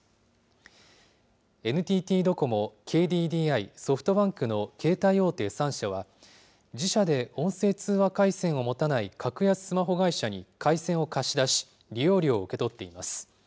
ＮＴＴドコモ、ＫＤＤＩ、ソフトバンクの携帯大手３社は、自社で音声通話回線を持たない格安スマホ会社に回線を貸し出し、利用料を受け取っています。